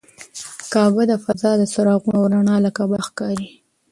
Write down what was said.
کعبه له فضا د څراغونو او رڼا له کبله ښکاري.